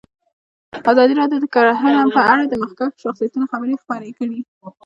ازادي راډیو د کرهنه په اړه د مخکښو شخصیتونو خبرې خپرې کړي.